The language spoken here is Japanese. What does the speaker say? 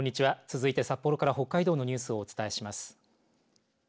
続いて札幌から北海道のニュースをお伝えします。